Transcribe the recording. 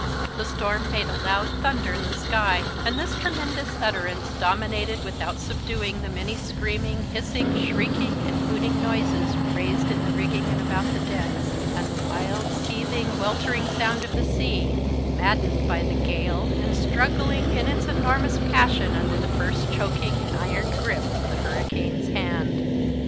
The storm made a loud thunder in the sky, and this tremendous utterance dominated without subduing the many screaming, hissing, shrieking, and hooting noises raised in the rigging and about the decks, and the wild, seething, weltering sound of the sea, maddened by the gale and struggling in its enormous passion under the first choking and iron grip of the hurricane's hand.